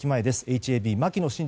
ＨＡＢ牧野慎二